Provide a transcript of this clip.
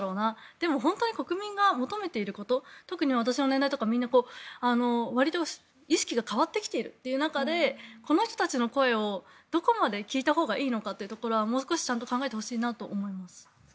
でも本当に国民が求めていること特に私の年代とかわりと意識が変わってきているという中でこの人たちの声をどこまで聞いたほうがいいのかはもう少しちゃんと考えてほしいなと思います。